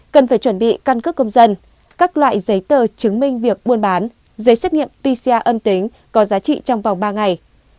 cần phải chuẩn bị căn cước công dân các loại giấy tờ chứng minh việc buôn bán giấy xét nghiệm pcr âm tính có giá trị trong vòng ba ngày